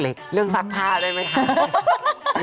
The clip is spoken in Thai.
เรื่องซักผ้าได้ไหมคะ